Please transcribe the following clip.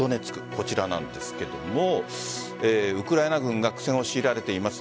こちらなんですがウクライナ軍が苦戦を強いられています。